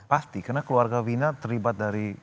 pasti karena keluarga vina terlibat dari